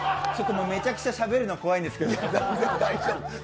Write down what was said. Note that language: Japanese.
めちゃくちゃしゃべるの怖いんですけど。